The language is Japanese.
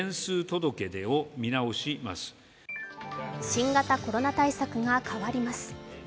新型コロナ対策が変わります。